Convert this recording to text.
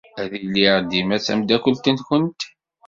Ad iliɣ dima d tameddakelt-nwent.